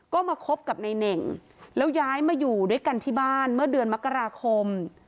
ก็มาคบกับนายเน่งแล้วย้ายมาอยู่ด้วยกันที่บ้านเมื่อเดือนมกราคม